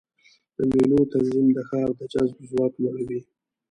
د مېلو تنظیم د ښار د جذب ځواک لوړوي.